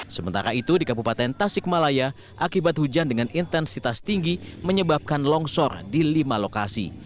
sementara itu di kabupaten tasikmalaya akibat hujan dengan intensitas tinggi menyebabkan longsor di lima lokasi